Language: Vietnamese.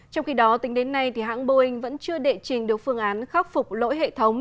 trong khi đó tính đến nay hãng boeing vẫn chưa đệ trình được phương án khắc phục lỗi hệ thống